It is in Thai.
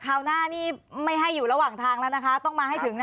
คราวหน้านี้ไม่ให้อยู่ระหว่างทางต้องมาให้ถึง